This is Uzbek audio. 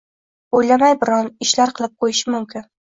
o‘ylamay biron ishlar qilib qo‘yishi mumkin.